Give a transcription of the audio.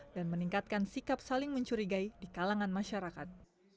dan meningkatkan sikap saling mencurigai di kalangan masyarakat